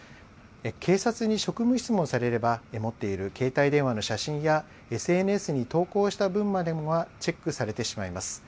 警察に職務質問されれば、持っている携帯電話の写真や、ＳＮＳに投稿した文までもがチェックされてしまいます。